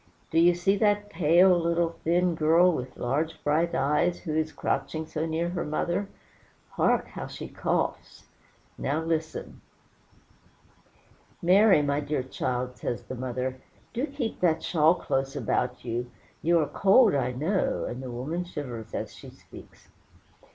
Do you see that pale, little, thin girl, with large, bright eyes, who is crouching so near her mother? hark! how she coughs. Now listen. "Mary, my dear child," says the mother, "do keep that shawl close about you; you are cold, I know," and the woman shivers as she speaks.